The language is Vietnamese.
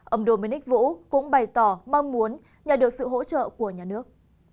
ông dominic vũ cũng bày tỏ mong muốn nhận được sự hỗ trợ của nhà nước